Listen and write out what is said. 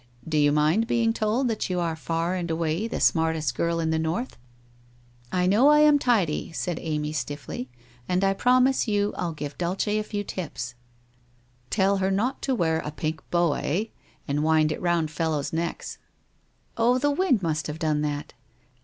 Do you mind being told that you are far and away the smartest girl in the North ?'' T know I am tidy,' said Amy stiffly. ' And I promise you I'll give Dulce a few tips/ 1 Tell her not to wear a pink boa, eh! and wind it round fellows' necks/ ' Oh, the wind must have done that